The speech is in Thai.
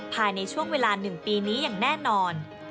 ภายในช่วงเวลา๑ปีนี้อย่างแน่นอน